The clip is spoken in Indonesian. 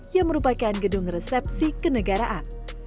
yang merupakan gedung resepsi kenegaraan